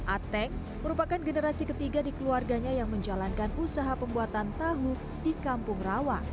ateng merupakan generasi ketiga di keluarganya yang menjalankan usaha pembuatan tahu di kampung rawa